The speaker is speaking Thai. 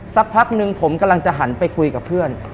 สักพักหนึ่งผมกำลังจะหันไปคุยกับเพื่อน